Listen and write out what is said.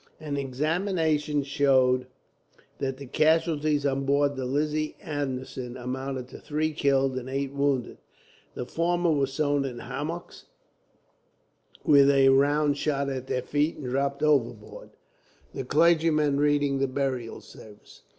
An examination showed that the casualties on board the Lizzie Anderson amounted to three killed and eight wounded. The former were sewn in hammocks, with a round shot at their feet, and dropped overboard; the clergyman reading the burial service.